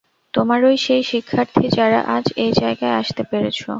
তোমরাই সেই শিক্ষার্থী যারা আজ এই জায়গায় আসতে পেরেছো।